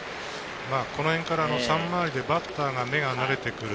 この辺から３回りでバッターの目が慣れてくる。